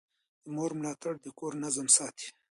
د مور ملاتړ د کور نظم ساتي.